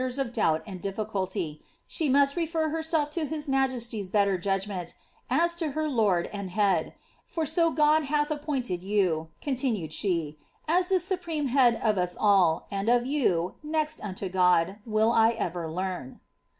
ten of doubt and difficulty, she must refer herself to his niajestj^ better judj^rmcnt, as to her lord and head ; for so God hath appointtd you,'^ continued she, ^ as the supreme head of us all, and of you, next unto God, will I ever learn."